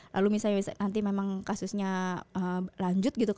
lalu misalnya nanti memang kasusnya lanjut gitu